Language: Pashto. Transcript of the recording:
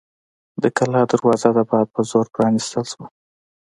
د کلا دروازه د باد په زور پرانیستل شوه.